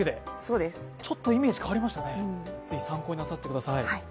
ちょっとイメージ変わりましたね、ぜひ参考になさってください。